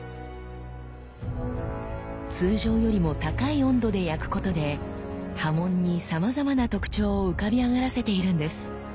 通常よりも高い温度で焼くことで刃文にさまざまな特徴を浮かび上がらせているんです。